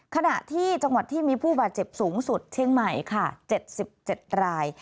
ขณะที่จังหวัดที่มีผู้บาดเจ็บสูงสุดเชียงใหม่ค่ะ๗๗ราย